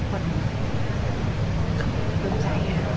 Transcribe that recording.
ขอบคุณค่ะ